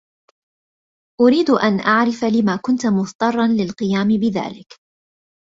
أريد أن أعرف لم كنت مضطرّا للقيام بذلك.